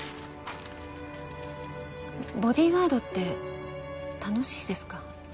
ボディーガードって楽しいですか？